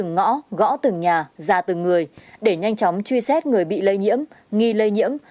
ngõ gõ từng nhà ra từng người để nhanh chóng truy xét người bị lây nhiễm nghi lây nhiễm